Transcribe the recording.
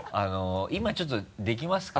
今ちょっとできますか？